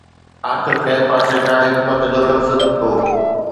آخر ڪنهن پاسي کان حڪمت جو لفظ نڪتو